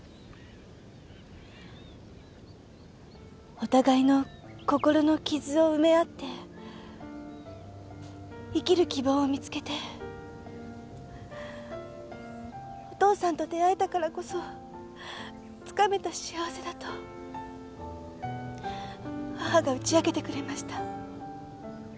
お互いの心の傷を埋め合って生きる希望を見つけてお父さんと出会えたからこそつかめた幸せだと母が打ち明けてくれました。